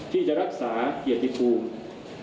ที่จะรักษาเกียรติภูมิ